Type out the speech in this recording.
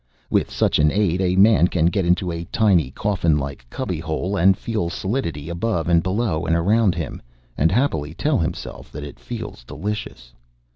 With such an aid, a man can get into a tiny, coffinlike cubbyhole, and feel solidity above and below and around him, and happily tell himself that it feels delicious.